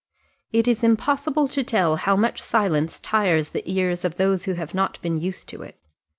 It is impossible to tell how much silence tires the ears of those who have not been used to it.